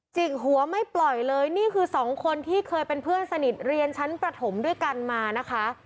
กหัวไม่ปล่อยเลยนี่คือสองคนที่เคยเป็นเพื่อนสนิทเรียนชั้นประถมด้วยกันมานะคะ